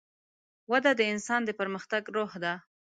وده د انسان د پرمختګ روح ده.